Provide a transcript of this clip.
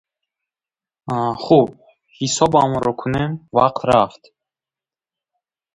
– Хуб, ҳисобамонро кунем, вақт рафт!